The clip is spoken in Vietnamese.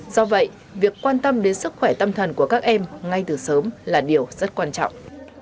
do vậy việc quan tâm đến sức khỏe tâm thần của các em ngay từ sớm là điều rất quan trọng